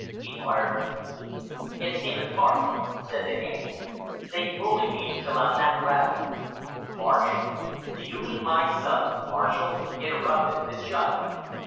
inquired the judge. "It's him and Marsh," said the handy man. "They bully me till I'm that rattled " "Marsh do you mean my son, Marshall?" interrupted the judge.